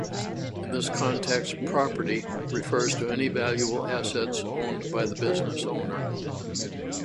In this context, "property" refers to any valuable assets owned by the business owner.